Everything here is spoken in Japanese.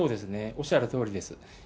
おっしゃるとおりです。